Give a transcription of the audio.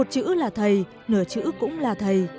chữ là thầy nửa chữ cũng là thầy